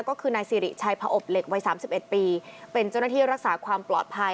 ก็คือนายสิริชัยผอบเหล็กวัย๓๑ปีเป็นเจ้าหน้าที่รักษาความปลอดภัย